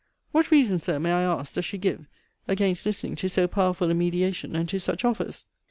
What reason, Sir, may I ask, does she give, against listening to so powerful a mediation, and to such offers?